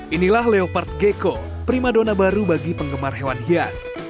inilah leopard gecko primadona baru bagi penggemar hewan hias